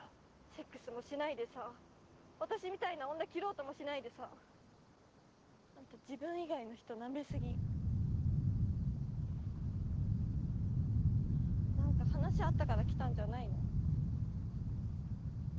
セックスもしないでさ私みたいな女切ろうともしないでさあんた自分以外の人なめすぎ何か話あったから来たんじゃないの？